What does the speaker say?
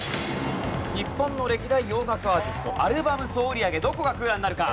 日本の歴代洋楽アーティストアルバム総売上どこが空欄になるか？